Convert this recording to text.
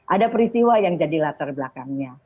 ada peristiwa yang jadi latar belakangnya